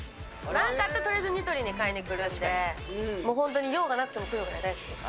なんかあったら、とりあえずニトリに買いに来るんで、もう本当に用がなくても来るぐらい大好きです。